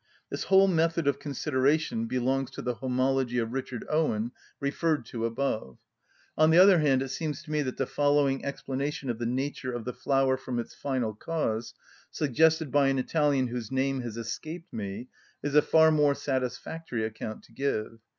This whole method of consideration belongs to the Homology of Richard Owen referred to above. On the other hand, it seems to me that the following explanation of the nature of the flower from its final cause, suggested by an Italian whose name has escaped me, is a far more satisfactory account to give.